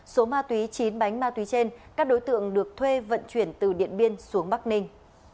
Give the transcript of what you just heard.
số ma túy chín bánh ma túy trên các đối tượng được thuê vận chuyển từ điện biên xuống bắc ninh